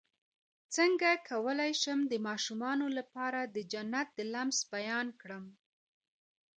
څنګه کولی شم د ماشومانو لپاره د جنت د لمس بیان کړم